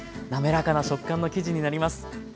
なめらかな食感の生地になります。